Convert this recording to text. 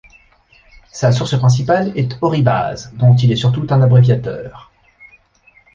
Sa source principale est Oribase, dont il est surtout un abréviateur.